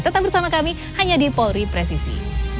tetap bersama kami hanya di polri presisi